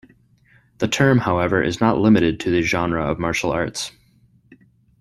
The term, however, is not limited to the genre of martial arts.